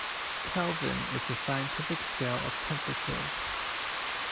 Kelvin is a scientific scale of temperature.